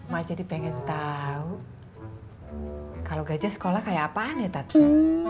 mak jadi pengen tahu kalau gajah sekolah kayak apaan ya tati